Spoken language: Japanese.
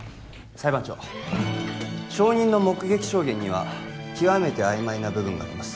裁判長証人の目撃証言には極めて曖昧な部分があります